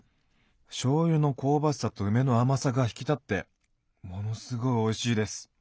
しょうゆの香ばしさと梅の甘さが引き立ってものすごいおいしいです。